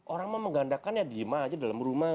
orang mau menggandakan ya diema aja dalam rumah